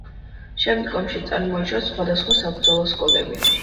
შემდგომში წარმოიშვა სხვადასხვა საბრძოლო სკოლები.